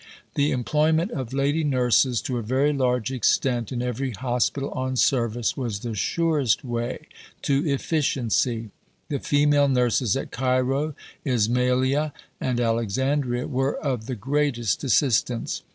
"The employment of lady nurses to a very large extent in every hospital on service" was the surest way to efficiency. The female nurses at Cairo, Ismailia, and Alexandria were of the "greatest assistance."